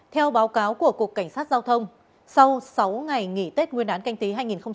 theo báo cáo của cục cảnh sát giao thông sau sáu ngày nghỉ tết nguyên đán canh tí hai nghìn hai mươi